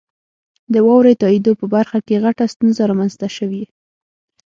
د واورئ تائیدو په برخه کې غټه ستونزه رامنځته شوي.